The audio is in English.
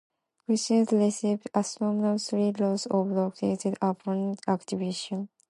Crichton recited Asimov's "Three Laws of Robotics" upon activation.